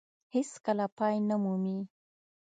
هېڅ کله پای نه مومي.